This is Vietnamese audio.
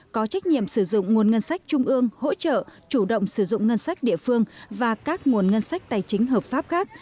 có trách nhiệm sử dụng nguồn ngân sách trung ương hỗ trợ chủ động sử dụng ngân sách địa phương và các nguồn ngân sách tài chính hợp pháp khác